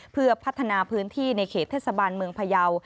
เพื่อพัฒนาพื้นที่ในเขตเทศบาลเมืองพยาว